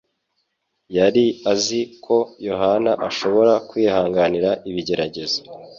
yari azi ko Yohana ashobora kwihanganira ibigeragezo.